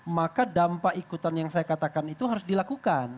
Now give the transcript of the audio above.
maka dampak ikutan yang saya katakan itu harus dilakukan